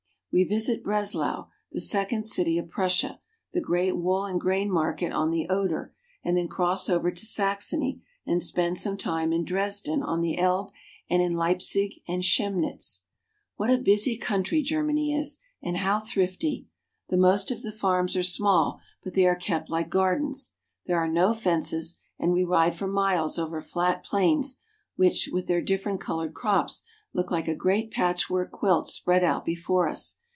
We visit Breslau, the second city of Prussia, the great wool and grain market on the Oder, and then cross over to Saxony and spend some time in Dresden on the Elbe, and in Leipsig and Chemnitz. 224 GERMANY. What a busy country Germany is, and how thrifty ! The most of the farms are small, but they are kept like gar dens. There are no fences, and we ride for miles over flat plains which, with their different colored crops, look like a great patchwork quilt spread out before us.